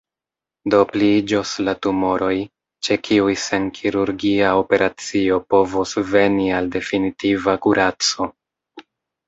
Do pliiĝos la tumoroj, ĉe kiuj sen kirurgia operacio povos veni al definitiva kuraco.